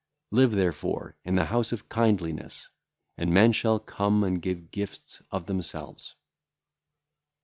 Live, therefore, in the house of kindliness, and men shall come and give gifts of themselves.